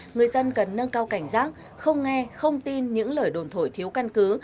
người dân cần nâng cao cảnh giác không nghe không tin những lời đồn thổi thiếu căn cứ